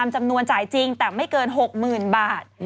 จำนวนจ่ายจริงแต่ไม่เกินหกหมื่นบาท